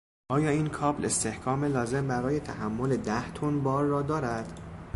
آیا این کابل استحکام لازم برای تحمل ده تن بار را دارد؟